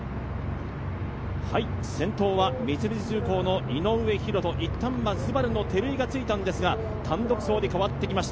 先頭は三菱重工の井上大仁、いったんはＳＵＢＡＲＵの照井がついたんですが、単独走に変わってきました。